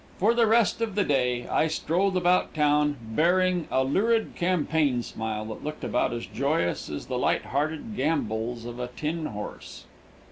For the rest of the day I strolled about town bearing a lurid campaign smile that looked about as joyous as the light hearted gambols of a tin horse.